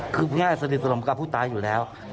คือเพื่อนยาสนิทสุรมกราค์ผู้ตายอยู่แล้ว